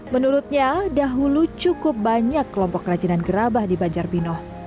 menurutnya dahulu cukup banyak kelompok kerajinan gerabah di banjarbino